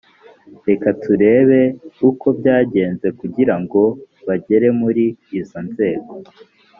reka turebe uko byagenze kugira ngo bagere muri izo nzego